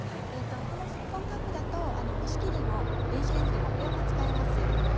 このシリコンカップだと蒸し器でも電子レンジでも両方使えます。